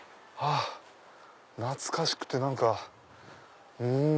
懐かしくて何か。